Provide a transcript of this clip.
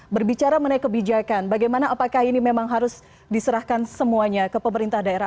berbicara mengenai kebijakan bagaimana apakah ini memang harus diserahkan semuanya ke pemerintah daerah